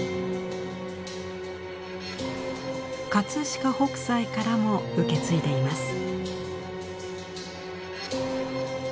飾北斎からも受け継いでいます。